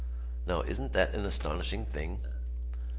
Now isn't that an astonishing thing?"